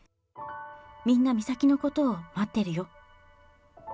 みんな美咲のことを待ってるよ。